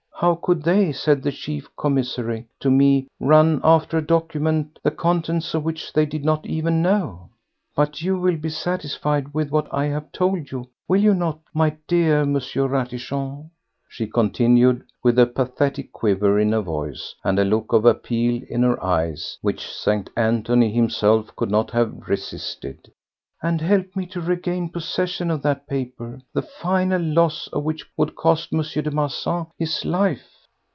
How could they, said the chief Commissary to me, run after a document the contents of which they did not even know? But you will be satisfied with what I have told you, will you not, my dear M. Ratichon?" she continued, with a pathetic quiver in her voice and a look of appeal in her eyes which St. Anthony himself could not have resisted, "and help me to regain possession of that paper, the final loss of which would cost M. de Marsan his life."